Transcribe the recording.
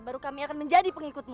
baru kami akan menjadi pengikutnya